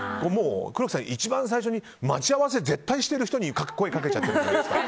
黒木さん、一番最初に待ち合わせ絶対してる人に声掛けちゃったじゃないですか。